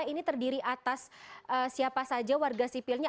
ini terdiri atas siapa saja warga sipilnya